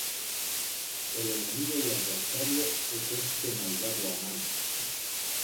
El enemigo y adversario es este malvado Amán.